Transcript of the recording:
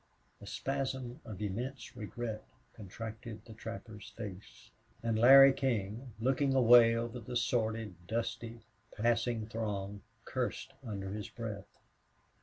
A spasm of immense regret contracted the trapper's face. And Larry King, looking away over the sordid, dusty passing throng, cursed under his breath.